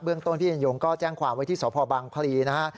เบื้องต้นพี่ยันยงก็แจ้งความไว้ที่สพพลีนะฮะ